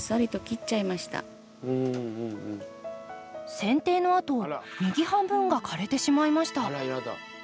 せん定のあと右半分が枯れてしまいました。